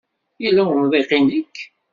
Yella umḍiq i nekk?